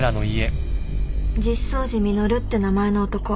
実相寺実って名前の男